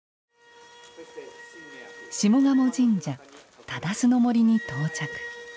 下鴨神社糺の森に到着。